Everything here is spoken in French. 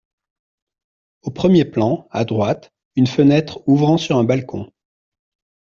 Au premier plan, à droite, une fenêtre ouvrant sur un balcon.